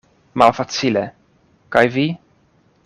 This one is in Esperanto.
Malfacile; kaj vi?